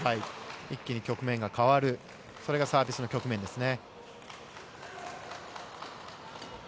一気に局面が変わる、それがサービスの局面ですね。